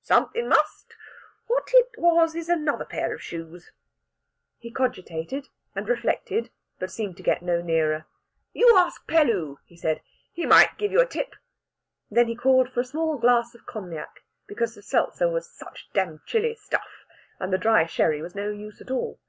"Somethin' must! What it was is another pair of shoes." He cogitated and reflected, but seemed to get no nearer. "You ask Pelloo," he said. "He might give you a tip." Then he called for a small glass of cognac, because the Seltzer was such dam chilly stuff, and the dry sherry was no use at all.